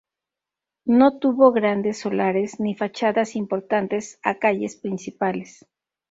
No tuvo grandes solares, ni fachadas importantes a calles principales.